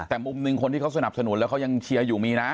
แต่มุมหนึ่งคนที่เขาสนับสนุนแล้วเขายังเชียร์อยู่มีนะ